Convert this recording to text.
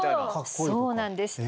そうなんです。